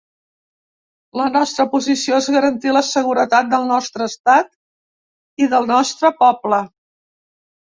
La nostra posició és garantir la seguretat del nostre estat i del nostre poble.